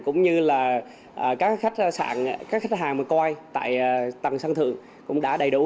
cũng như là các khách hàng mà coi tại tầng sân thượng cũng đã đầy đủ